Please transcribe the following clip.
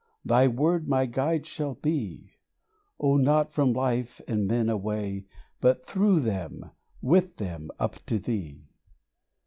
Thy word my guide shall be, Oh, not from life and men away, But through them, with them, up to Thee.